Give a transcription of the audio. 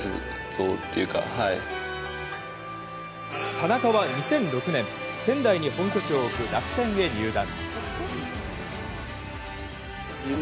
田中は２００６年仙台に本拠地を置く楽天へ入団。